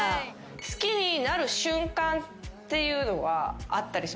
好きになる瞬間っていうのはあったりしますか？